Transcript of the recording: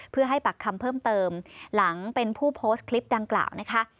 เพื่อให้ปากคำเพิ่มเติมหลังเป็นผู้โพสต์คลิปดังกล่าวนะคะ